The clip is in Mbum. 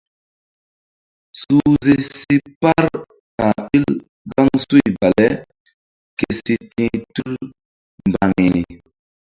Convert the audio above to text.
Suhze si par ka̧h ɓil gaŋsuy bale ke si ti̧h tul mbaŋiri.